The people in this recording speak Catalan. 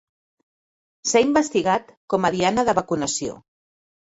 S'ha investigat com a diana de vacunació.